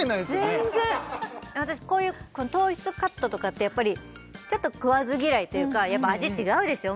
全然私こういう糖質カットとかってやっぱりちょっと食わず嫌いというかやっぱ味違うでしょ？